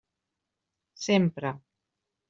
Sempre.